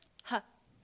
はい。